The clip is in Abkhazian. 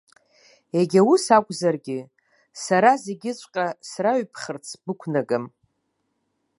Егьа ус акәзаргьы, сара зегьыҵәҟьа сраҩбхырц бықәнагам.